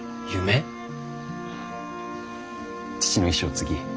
父の遺志を継ぎ